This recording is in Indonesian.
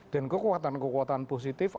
dan kekuatan kekuatan positif